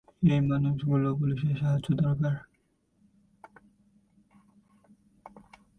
এই মানুষগুলো পুলিশের সাহায্য দরকার।